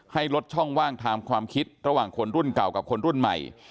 ให้ลดช่องว่างทางความคิดระหว่างคนรุ่นเก่ากับคนรุ่นใหม่